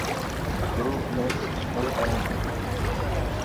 گروپ ۾ ڪم ڪران پيا.